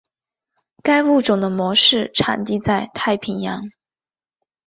该物种的模式产地在太平洋。